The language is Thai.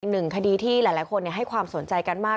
หนึ่งคดีที่หลายคนให้ความสนใจกันมาก